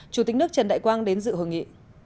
chủ tịch nước trần đại quang đến dự hội nghị